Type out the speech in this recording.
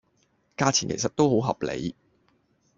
價錢其實都合理